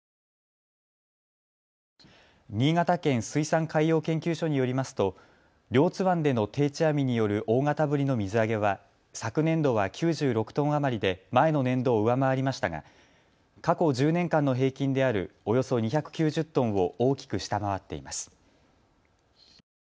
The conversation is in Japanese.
新潟県水産海洋研究所によりますと両津湾での定置網による大型ブリの水揚げは昨年度は９６トン余りで前の年度を上回りましたが過去１０年間の平均であるおよそ２９０トンを大きく下回っています。